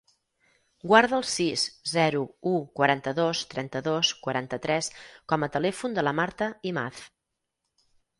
Guarda el sis, zero, u, quaranta-dos, trenta-dos, quaranta-tres com a telèfon de la Marta Imaz.